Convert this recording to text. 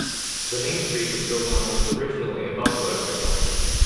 The main street was built on what was originally a buffalo trail.